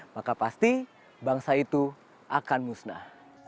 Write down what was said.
maka pasti bangsa itu akan musnah